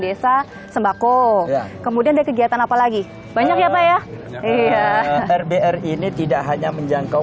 desa sembako kemudian ada kegiatan apa lagi banyak ya pak ya iya rbr ini tidak hanya menjangkau